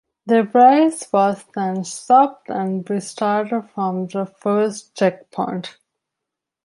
The race was then stopped and restarted from the first check point.